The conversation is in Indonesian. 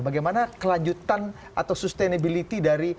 bagaimana kelanjutan atau sustainability dalam hal ini